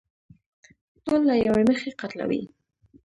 ټول له يوې مخې قتلوي.